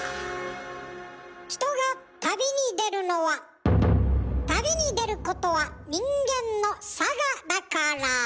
人が旅に出るのは旅に出ることは人間の性だから。